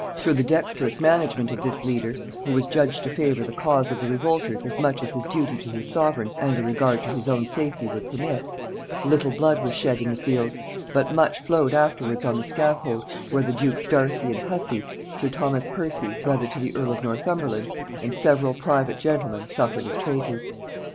Through the dexterous management of this leader, who was judged to favor the cause of the revolters as much as his duty to his sovereign and a regard to his own safety would permit, little blood was shed in the field; but much flowed afterwards on the scaffold, where the lords Darcy and Hussey, sir Thomas Percy, brother to the earl of Northumberland, and several private gentlemen, suffered as traitors.